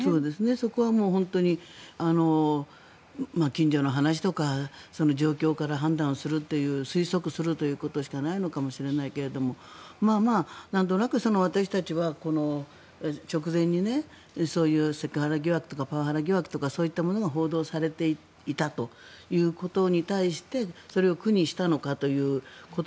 そこは本当に近所の話とか状況から判断するという推測するということしかないのかもしれないけどなんとなく私たちは直前にそういうセクハラ疑惑とかパワハラ疑惑とかそういったものが報道されていたということに対してそれを苦にしたのかということ。